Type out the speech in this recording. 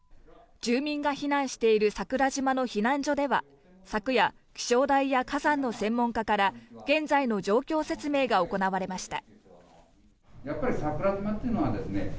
住民が避難している桜島の避難所では昨夜、気象台や火山の専門家から現在の状況説明が行われました。